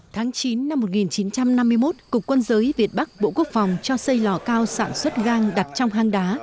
tháng chín năm một nghìn chín trăm năm mươi một cục quân giới việt bắc bộ quốc phòng cho xây lò cao sản xuất gang đặt trong hang đá